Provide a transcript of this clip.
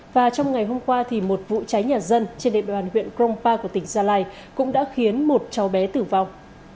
và trong ngày hôm qua thì một vụ cháy nhà dân trên đệm đoàn huyện grong pa của tỉnh gia lai cũng đã khiến một cháu bé tử vong